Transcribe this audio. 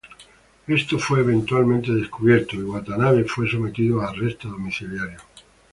Esto fue eventualmente descubierto y Watanabe fue sometido a arresto domiciliario.